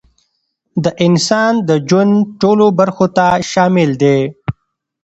د انسان د ژوند ټولو برخو ته شامل دی،